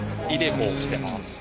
ｉＤｅＣｏしてます。